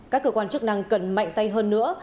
các cơ quan chức năng cần mạnh tay hơn nữa